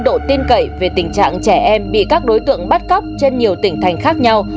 độ tin cậy về tình trạng trẻ em bị các đối tượng bắt cóc trên nhiều tỉnh thành khác nhau